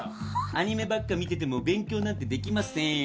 アニメばっか見てても勉強なんてできません。